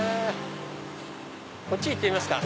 こっち行ってみますか。